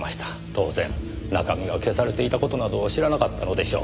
当然中身が消されていた事など知らなかったのでしょう。